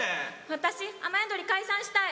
私、雨やどり解散したい。